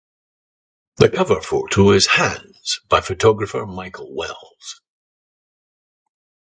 The cover photo is "Hands" by photographer Michael Wells.